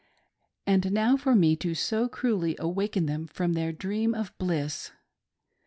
And now for me to so cruelly awaken them from their dream of bliss !